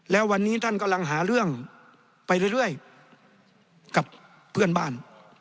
แล้ววันนี้ท่านกำลังหาเรื่องไปเรื่อยกับเพื่อนบ้าน